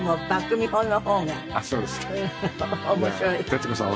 徹子さん